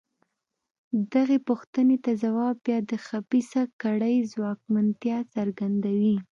دغې پوښتنې ته ځواب بیا د خبیثه کړۍ ځواکمنتیا څرګندوي.